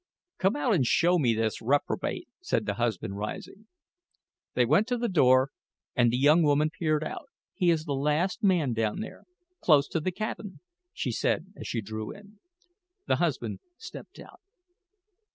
"Come out and show me this reprobate," said the husband, rising. They went to the door and the young woman peered out. "He is the last man down there close to the cabin," she said as she drew in. The husband stepped out.